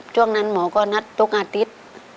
ช่วงนั้นหมอก็นัดทุกอาทิตย์